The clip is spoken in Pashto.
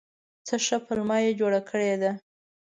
څه ښه پلمه یې جوړه کړې ده !